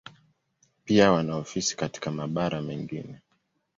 Pia wana ofisi katika mabara mengine.